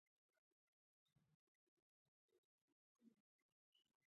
دا پزه خرابه شوې ده.